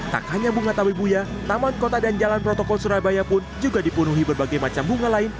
tak hanya bunga tawibuya taman kota dan jalan protokol surabaya pun juga dipenuhi berbagai macam bunga lain